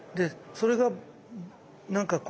それが何かこう。